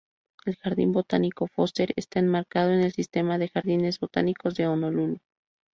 El jardín botánico Foster está enmarcado en el Sistema de Jardines Botánicos de Honolulu.